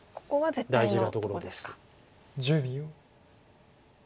大事なところです。